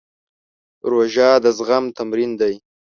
روژه د زغم تمرین دی.